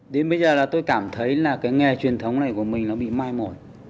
đến bây giờ là tôi cảm thấy là cái nghề truyền thống này của mình nó bị mai mồi